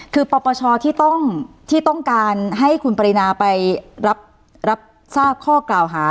คือประประชาที่ต้องที่ต้องการให้คุณปรินาไปรับรับทราบข้อกล่าวหา